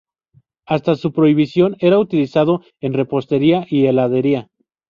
Hasta su prohibición era utilizado en repostería y heladería.